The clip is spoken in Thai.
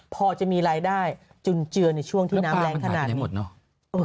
พอจะมีรายได้จุนเจือในช่วงที่น้ำแรงขนาดนี้หมดเนอะ